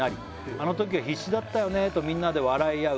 「あの時は必死だったよねとみんなで笑い合う」